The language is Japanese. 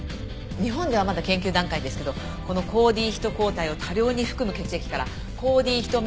日本ではまだ研究段階ですけどこの抗Ｄヒト抗体を多量に含む血液から抗Ｄヒト